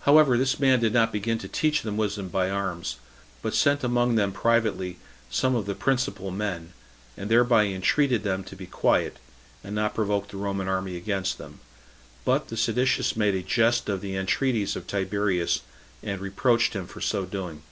However, this man did not begin to teach them wisdom by arms, but sent among them privately some of the principal men, and thereby entreated them to be quiet, and not provoke the Roman army against them; but the seditious made a jest of the entreaties of Tiberius, and reproached him for so doing.